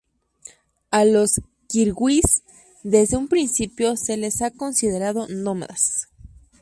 A los kirguís, desde un principio, se les ha considerado nómadas.